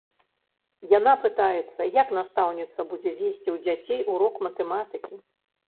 Яна пытаецца, як настаўніца будзе весці ў дзяцей урок матэматыкі.